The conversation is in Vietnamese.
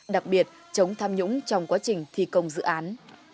đặc biệt chống tham nhũng trong quá trình thi công dự án